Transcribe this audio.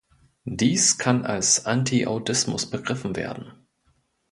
Dies kann als „Anti-Audismus“ begriffen werden.